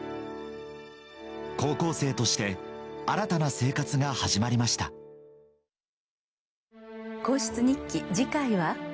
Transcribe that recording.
高校生として新たな生活が始まりました『皇室日記』次回は。